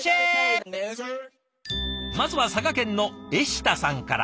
まずは佐賀県のえしたさんから。